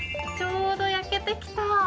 ちょうど焼けてきた！